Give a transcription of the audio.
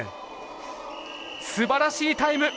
すばらしいタイム。